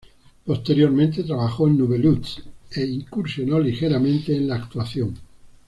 Posteriormente, trabajó en "Nubeluz" e incursionó ligeramente en la actuación.